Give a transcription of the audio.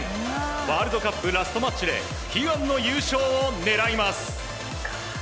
ワールドカップラストマッチで悲願の優勝を狙います。